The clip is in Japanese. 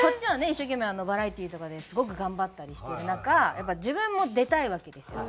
一生懸命バラエティーとかですごく頑張ったりしてる中やっぱ自分も出たいわけですよ